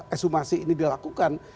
ekshumasi ini dilakukan